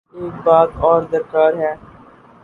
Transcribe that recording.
ایک بات اور درکار ہے۔